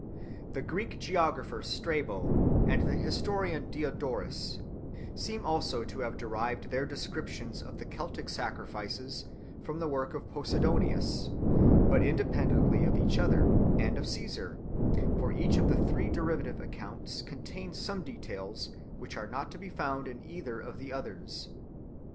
The Greek geographer Strabo and the historian Diodorus seem also to have derived their descriptions of the Celtic sacrifices from the work of Posidonius, but independently of each other, and of Caesar, for each of the three derivative accounts contain some details which are not to be found in either of the others.